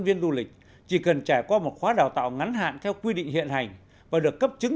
viên du lịch chỉ cần trải qua một khóa đào tạo ngắn hạn theo quy định hiện hành và được cấp chứng